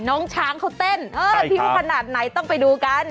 น้องช้างเขาเต้นเออพิวขนาดไหนต้องไปดูกัน